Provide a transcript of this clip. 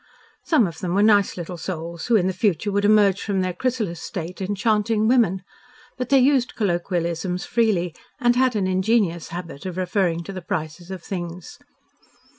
Some of them were nice little souls, who in the future would emerge from their chrysalis state enchanting women, but they used colloquialisms freely, and had an ingenuous habit of referring to the prices of things.